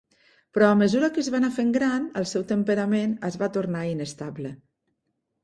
Però a mesura que es va anar fent gran, el seu temperament es va tornar inestable.